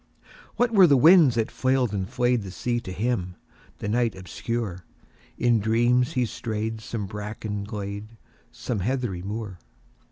What were the winds that flailed and flayedThe sea to him, the night obscure? In dreams he strayed some brackened glade, Some heathery moor.